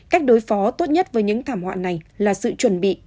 cách đối phó tốt nhất với những thảm họa này là sự chuẩn bị